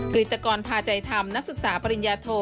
กริตกรพาใจธรรมนักศึกษาปริญญาโท